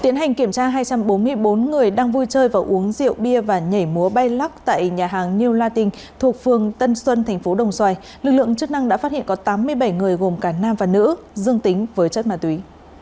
bốn mươi bốn người đang vui chơi và uống rượu bia và nhảy múa bay lắc tại nhà hàng new latin thuộc phường tân xuân thành phố đồng xoài lực lượng chức năng đã phát hiện có tám mươi bảy người gồm cả nam và nữ dương tính với chất ma túy